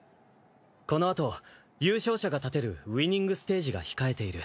このあと優勝者が立てるウイニングステージが控えている。